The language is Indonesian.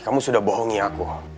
kamu sudah bohongi aku